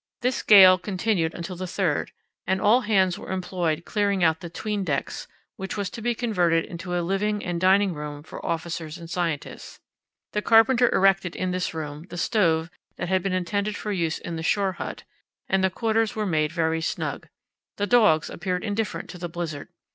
This gale continued until the 3rd, and all hands were employed clearing out the 'tween decks, which was to be converted into a living and dining room for officers and scientists. The carpenter erected in this room the stove that had been intended for use in the shore hut, and the quarters were made very snug. The dogs appeared indifferent to the blizzard.